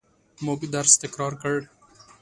موږ درس تکرار کړ.